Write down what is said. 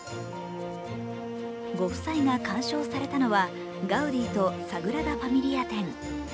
ご夫妻が鑑賞されたのはガウディとサグラダ・ファミリア展。